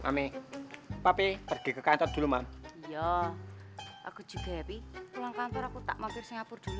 mami papi pergi ke kantor dulu man ya aku juga ya pi pulang kantor aku tak mau ke singapura dulu